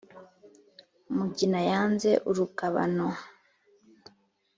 mugina yanze urugabano.